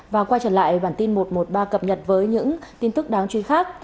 và quay trở lại bản tin một trăm một mươi ba cập nhật với những tin tức đáng chú ý khác